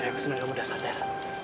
aku senang kamu sudah sadar